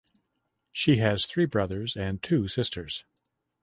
She has three brothers and two sisters.